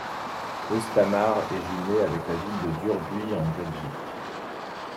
Östhammar est jumelée avec la ville de Durbuy, en Belgique.